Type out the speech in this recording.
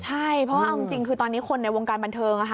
ใช่เพราะเอาจริงคือตอนนี้คนในวงการบันเทิง